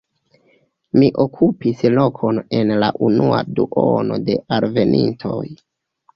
Mi okupis lokon en la unua duono de alvenintoj.